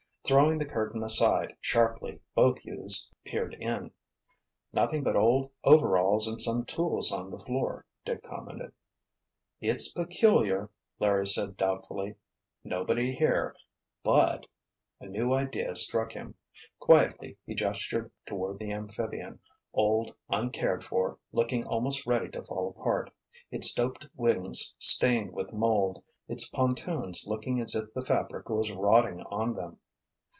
Throwing the curtain aside sharply, both youths peered in. "Nothing but old overalls and some tools on the floor," Dick commented. "It's peculiar," Larry said doubtfully. "Nobody here—but—" a new idea struck him. Quietly he gestured toward the amphibian, old, uncared for, looking almost ready to fall apart, its doped wings stained with mould, its pontoons looking as if the fabric was rotting on them.